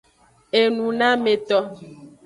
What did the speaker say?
Enunameto.